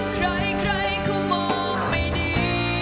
ใครเขามองไม่ดี